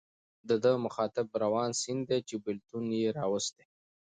د ده مخاطب روان سیند دی چې بېلتون یې راوستی.